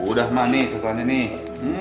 udah ma nih contohannya nih